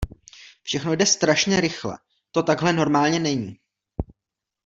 Všechno jde strašně rychle, to takhle normálně není.